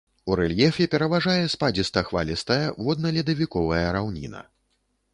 У рэльефе пераважае спадзіста-хвалістая водна-ледавіковая раўніна.